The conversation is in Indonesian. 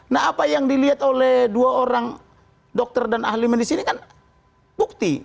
nah apa yang dilihat oleh dua orang dokter dan ahli medis ini kan bukti